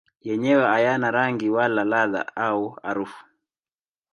Yenyewe hayana rangi wala ladha au harufu.